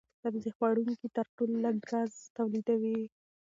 سبزي خوړونکي تر ټولو لږ ګاز تولیدوي.